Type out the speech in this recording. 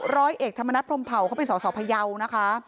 ร้อยเอกธรรมนัฐพรมเผาเขาเป็นสอสอพยาวนะคะ